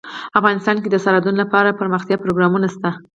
افغانستان کې د سرحدونه لپاره دپرمختیا پروګرامونه شته.